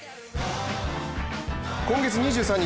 今月２３日